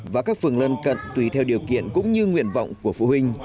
và các phường lân cận tùy theo điều kiện cũng như nguyện vọng của phụ huynh